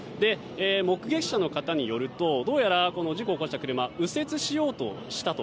目撃者の方によるとどうやらこの事故を起こした車右折しようとしたと。